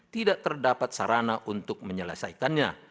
tidak terdapat sarana untuk menyelesaikannya